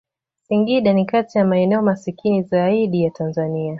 Singida ni kati ya maeneo maskini zaidi ya Tanzania.